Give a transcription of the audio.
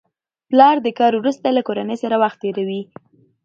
پلر د کار وروسته له کورنۍ سره وخت تېروي